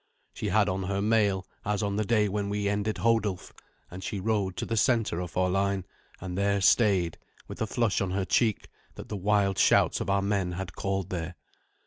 She had on her mail, as on the day when we ended Hodulf; and she rode to the centre of our line, and there stayed, with a flush on her cheek that the wild shouts of our men had called there.